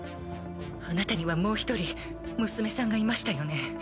あなたにはもう一人娘さんがいましたよね？